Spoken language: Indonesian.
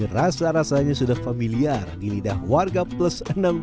rasa rasanya sudah familiar di lidah warga plus enam puluh